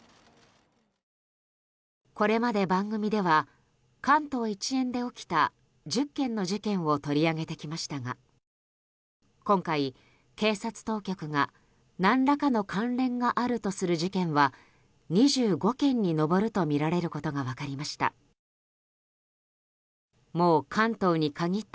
これまで番組では関東一円で起きた１０件の事件を取り上げてきましたが今回、警察当局が何らかの関連があるとする事件は２５件に上るとみられることが分かりました。